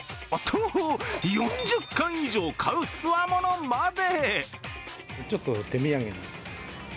４０缶以上買うつわものまで！